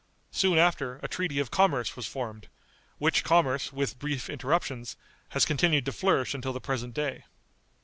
Soon after, a treaty of commerce was formed, which commerce, with brief interruptions, has continued to flourish until the present day.